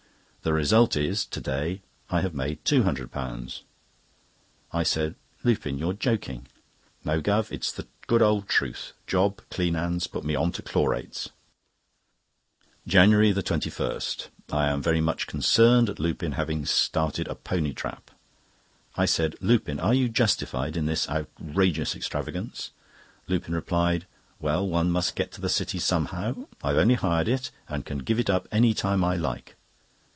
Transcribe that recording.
The result is, to day I have made £200." I said: "Lupin, you are joking." "No, Guv., it's the good old truth; Job Cleanands put me on to Chlorates." JANUARY 21.—I am very much concerned at Lupin having started a pony trap. I said: "Lupin, are you justified in this outrageous extravagance?" Lupin replied: "Well, one must get to the City somehow. I've only hired it, and can give it up any time I like."